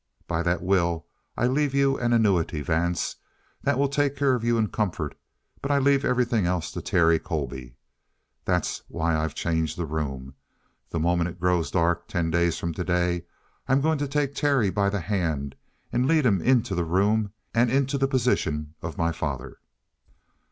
By that will I leave you an annuity, Vance, that will take care of you in comfort; but I leave everything else to Terry Colby. That's why I've changed the room. The moment it grows dark ten days from today, I'm going to take Terry by the hand and lead him into the room and into the position of my father!"